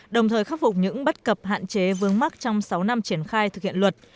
đồng thời khắc phục những bất cập hạn chế vương mắc trong sáu năm triển khai thực hiện luật